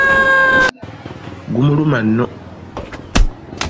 Gumuluma nno.